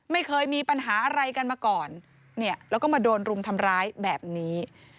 ไม่เคยมีปัญหาอะไรกันมาก่อนเนี่ยแล้วก็มาโดนรุมทำร้ายแบบนี้